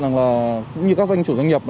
cũng như các doanh chủ doanh nghiệp